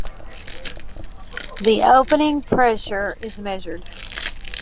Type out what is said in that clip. The opening pressure is measured.